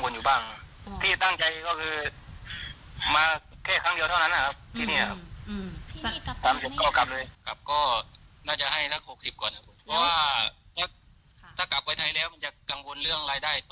กลับไทยแล้วจะกังวลเรื่องรายได้ต่อเนื่อง